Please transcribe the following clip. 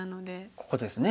ここですね。